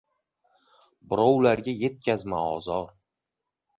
Birovlarga yetkazma ozor.